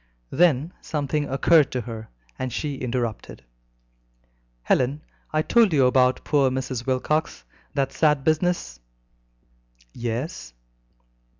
Then something occurred to her, and she interrupted: "Helen, I told you about poor Mrs. Wilcox; that sad business?" "Yes."